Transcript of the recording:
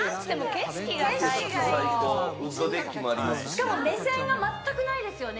しかも目線が全くないですよね。